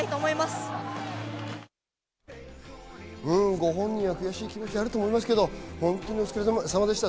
ご本人は悔しい気持ちがあると思いますけど、本当にお疲れ様でした。